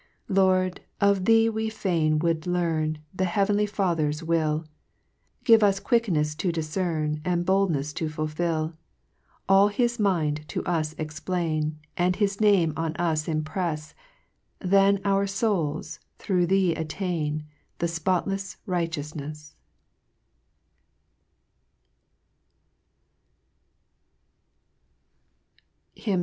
3 Lord, of Thee we fain would learn Thy heavenly Father's will j Give us quicknefs to difcern, And boldnefs to fulfil : All hifl Mind to us explain, And his Name on us imprefs, Then our fouls thro' Thee attain The spotlefs righteoufnefs.